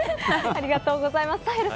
ありがとうございます。